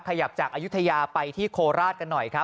ขยับจากอายุทยาไปที่โคราชกันหน่อยครับ